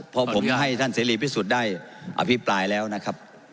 พอผมให้ท่านเสรีพิสุทธิ์ได้อภิปรายแล้วนะครับ